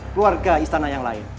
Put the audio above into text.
keluarga istana yang lain